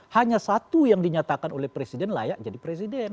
hanya satu yang dinyatakan oleh presiden layak jadi presiden